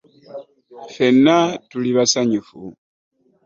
Ffenna tuli basanyufu.